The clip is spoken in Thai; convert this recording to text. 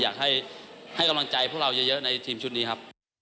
อยากให้กำลังใจพวกเราเยอะในทีมชุดนี้ครับ